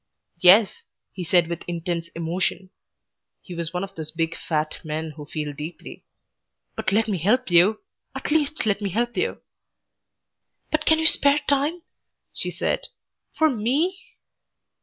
"Yes," he said with intense emotion. (He was one of those big, fat men who feel deeply.) "But let me help you. At least let me help you." "But can you spare time?" she said. "For ME."